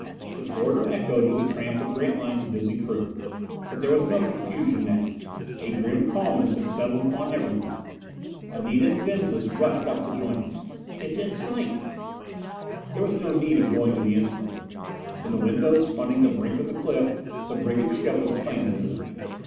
The corridor echoed with the tramp of Grantline's busy crew. But there was no confusion now; a grim calmness had settled upon everyone. Anita and Venza rushed up to join us. "It's in sight!" There was no need of going to the instrument room. From the windows fronting the brink of the cliff the brigand ship was plainly visible.